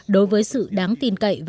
đối với sự đáng tin cậy